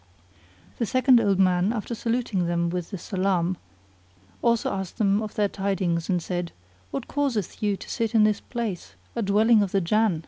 The second old man after saluting them with the salam, also asked them of their tidings and said "What causeth you to sit in this place, a dwelling of the Jann?"